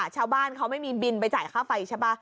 ชาวบ้านเขาไม่มีบินไปจ่ายค่าไฟใช่ป่ะ